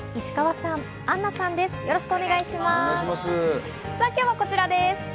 さぁ今日はこちらです。